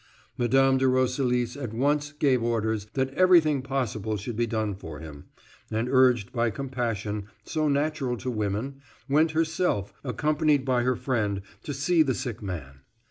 Mme. de Roselis at once gave orders that everything possible should be done for him, and urged by compassion, so natural to women, went herself, accompanied by her friend, to see the sick man.